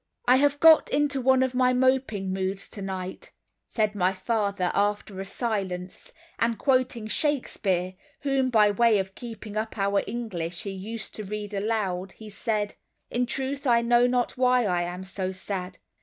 "I have got into one of my moping moods tonight," said my father, after a silence, and quoting Shakespeare, whom, by way of keeping up our English, he used to read aloud, he said: "'In truth I know not why I am so sad.